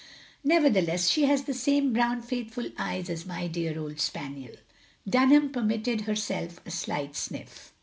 Nevertheless she has the same brown, faithful eyes as my dear old spaniel." Dunham permitted herself a slight sniff.